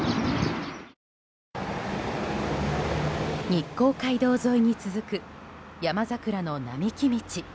日光街道沿いに続くヤマザクラの並木道。